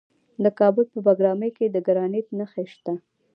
د کابل په بګرامي کې د ګرانیټ نښې شته.